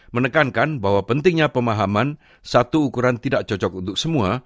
menekankan bahwa pentingnya pemahaman satu ukuran tidak cocok untuk semua